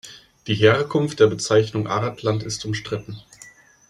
Die Herkunft der Bezeichnung Artland ist umstritten.